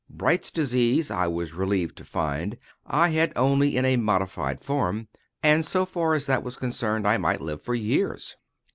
Bright's disease, I was relieved to find, I had only in a modified form, and, so far as that was concerned, I might live for years.